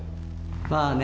まあね。